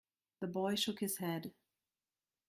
The boy shook his head.